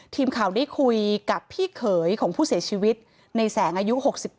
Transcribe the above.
ทีมข่าวได้คุยกับพี่เขยของผู้เสียชีวิตในแสงอายุ๖๗